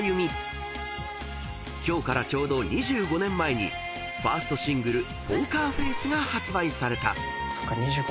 ［今日からちょうど２５年前にファーストシングル『ｐｏｋｅｒｆａｃｅ』が発売された］